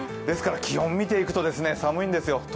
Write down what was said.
ですから、気温を見ていくと寒いんですよ。